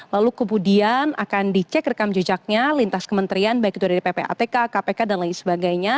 lalu kemudian akan dicek rekam jejaknya lintas kementerian baik itu dari ppatk kpk dan lain sebagainya